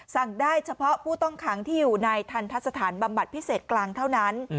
สั่งได้เฉพาะผู้ต้องขังที่อยู่ในทันทัศน์บรรบัติพิเศษกลางเท่านั้น